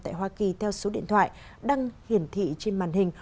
tại hoa kỳ theo số điện thoại đăng hiển thị trên màn hình